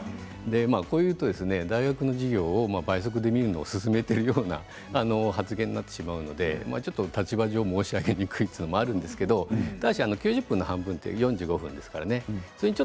こういうと大学の授業を倍速で見るのを勧めているような発言になってしまうのでちょっと立場上、申し上げにくいというのもあるんですけれど９０分の半分は４５分ですからね